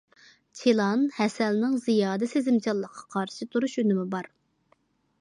چىلان، ھەسەلنىڭ زىيادە سېزىمچانلىققا قارشى تۇرۇش ئۈنۈمى بار.